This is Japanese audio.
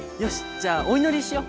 じゃあおいのりしよ！